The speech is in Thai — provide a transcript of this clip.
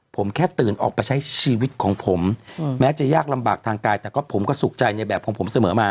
ผมแค่ตื่นออกไปใช้ชีวิตของผมแม้จะยากลำบากทางกายแต่ก็ผมก็สุขใจในแบบของผมเสมอมา